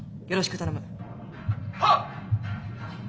「はっ！」。